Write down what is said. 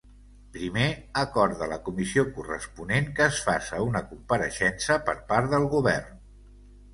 Primer, acorda la Comissió corresponent que es faça una compareixença per part del govern.